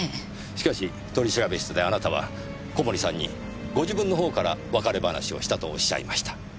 しかし取調室であなたは小森さんにご自分の方から別れ話をしたとおっしゃいました。